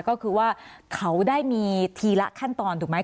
ก็คือว่าเขาได้มีทีละขั้นตอนถูกไหม